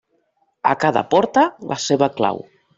A cada porta, la seva clau.